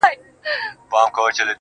نه پاته کيږي، ستا د حُسن د شراب، وخت ته,